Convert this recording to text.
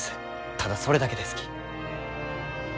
ただそれだけですき。